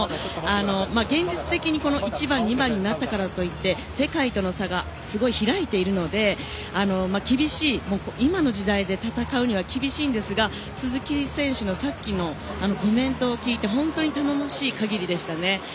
現実的に１番、２番になったからといって世界との差がすごく開いているので今の時代で戦うには厳しいですが鈴木選手のさっきのコメントを聞いて本当に頼もしい限りでしたね。